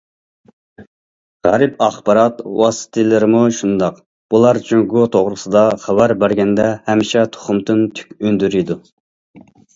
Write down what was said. غەرب ئاخبارات ۋاسىتىلىرىمۇ شۇنداق، بۇلار جۇڭگو توغرىسىدا خەۋەر بەرگەندە ھەمىشە تۇخۇمدىن تۈك ئۈندۈرىدۇ.